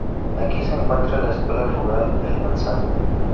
Aquí se encuentra la Escuela Rural El Manzano.